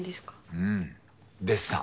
うんデッサン。